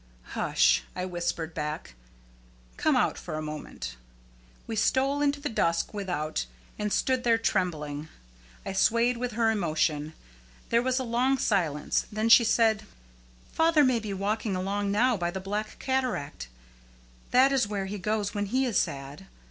"Hush," I whispered back; "come out for a moment!" We stole into the dusk without, and stood there trembling. I swayed with her emotion. There was a long silence. Then she said: "Father may be walking alone now by the black cataract. That is where he goes when he is sad.